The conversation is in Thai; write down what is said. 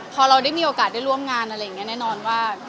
พอเรารู้นึกในโอกาสได้ร่วมงานแน่นอนว่า